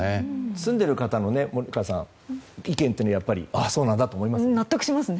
住んでいる方の森川さん意見というのはやっぱりそうなんだと思いますよね。